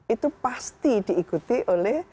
itu pasti diikuti oleh